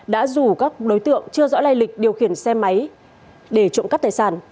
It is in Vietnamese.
đã rủ các đối tượng chưa rõ lây lịch điều khiển xe máy để trộm cắp tài sản